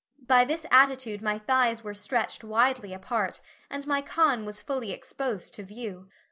By this attitude my thighs were stretched widely apart, and my con was fully exposed to view.